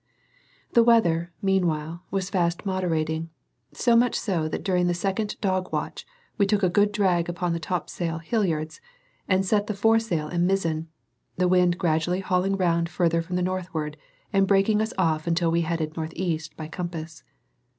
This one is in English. The weather, meanwhile, was fast moderating; so much so that during the second dog watch we took a good drag upon the topsail halliards, and set the foresail and mizzen; the wind gradually hauling round further from the northward and breaking us off until we headed north east by compass.